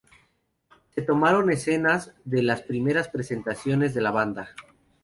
Se tomaron escenas de las primeras presentaciones de la banda.